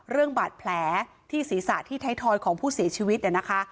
เรื่องบาดแผลที่ศีรษะที่ไทยทอยของผู้เสียชีวิตเนี่ยนะคะ